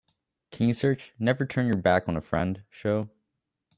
Can you search Never Turn Your Back on a Friend show?